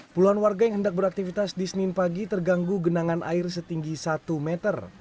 puluhan warga yang hendak beraktivitas di senin pagi terganggu genangan air setinggi satu meter